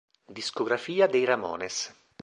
Discografia dei Ramones